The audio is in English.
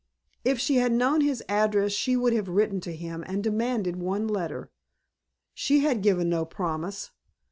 If she had known his address she would have written to him and demanded one letter. She had given no promise.